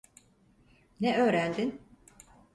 Ne öğrendin?